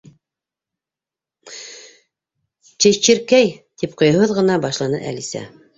Чеширкәй! — тип ҡыйыуһыҙ ғына башланы Әлисә.